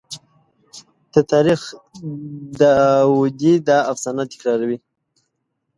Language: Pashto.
د تاریخ داودي دا افسانه تکراروي.